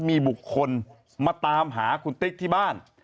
มีบุคคลมาตามหาคุณติ๊กที่บ้าน